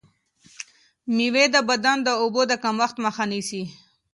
مېوې د بدن د اوبو د کمښت مخه نیسي.